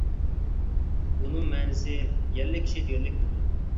بۇنىڭ مەنىسى «يەرلىك كىشى» دېگەنلىك بولىدۇ.